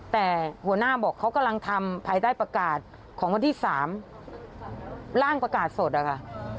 แต่หัวหน้าบอกเขากำลังทำภายใต้ประกาศของวันที่๓ร่างประกาศสดอะค่ะ